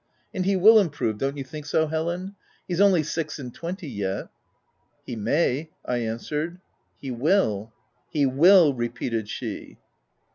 And he will improve — don't you think so Helen ?— he's only six and twenty yet," " He may/' I answered. u He will — he will !" repeated she.